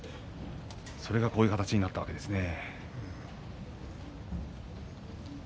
それが、こういう形になったわけですね。